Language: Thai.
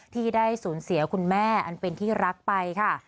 ที่ได้สูญเสียคุณแม่อันเป็นที่รักไปค่ะ